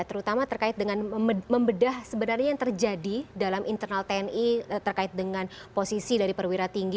terutama terkait dengan membedah sebenarnya yang terjadi dalam internal tni terkait dengan posisi dari perwira tinggi